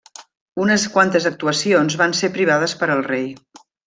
Unes quantes actuacions van ser privades per al rei.